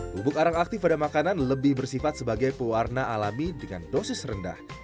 bubuk arang aktif pada makanan lebih bersifat sebagai pewarna alami dengan dosis rendah